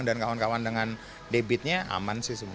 dan kawan kawan dengan debitnya aman sih semua